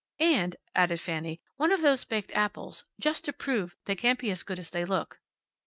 "And," added Fanny, "one of those baked apples. Just to prove they can't be as good as they look."